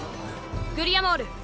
グリアモール。